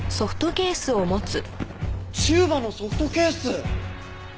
チューバのソフトケース！